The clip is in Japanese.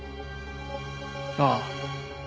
ああ。